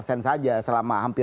selama hampir setengah hampir